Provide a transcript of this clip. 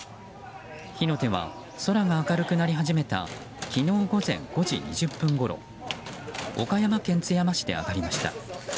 火の手は、空が明るくなり始めた昨日午前５時２０分ごろ岡山県津山市で上がりました。